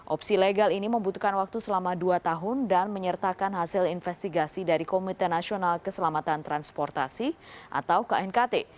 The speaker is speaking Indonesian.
opsi legal ini membutuhkan waktu selama dua tahun dan menyertakan hasil investigasi dari komite nasional keselamatan transportasi atau knkt